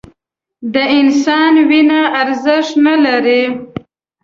د انسان وینه ارزښت نه لري